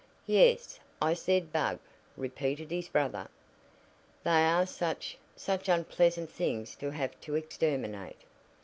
"Yes, I said bug," repeated his brother. "They are such such unpleasant things to have to exterminate."